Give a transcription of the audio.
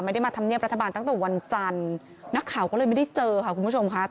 ไม่ได้มาทำเนียบรัฐบาลตั้งแต่วันจันทร์นักข่าวก็เลยไม่ได้เจอค่ะคุณผู้ชมค่ะ